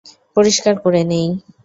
পরিষ্কার করে নিই।